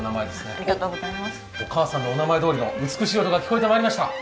お母さんのお名前どおりの美しい音色が聴こえてまいりました。